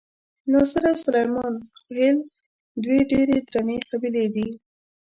ناصر او سلیمان خېل دوې ډېرې درنې قبیلې دي.